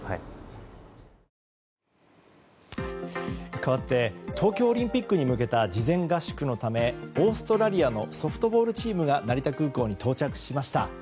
かわって東京オリンピックに向けた事前合宿のためオーストラリアのソフトボールチームが成田空港に到着しました。